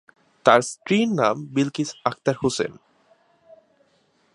তার স্ত্রীর নাম বিলকিস আখতার হোসেন।